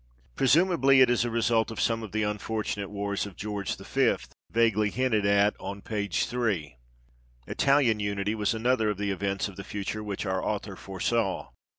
Presumably it is a result of some of the unfortunate wars of George V., vaguely hinted at on p. 3. Italian unity was another of the events of the future which our author foresaw.